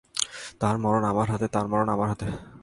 তার মরন আমার হাতে, তার মরন আমার হাতে।